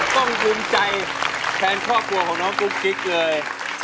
ภูมิใจแทนครอบครัวของน้องกุ๊กกิ๊กเลย